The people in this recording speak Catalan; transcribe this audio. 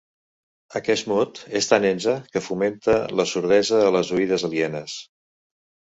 Aquest mot és tan enze que fomenta la sordesa a les oïdes alienes.